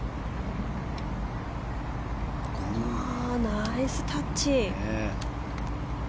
ナイスタッチ！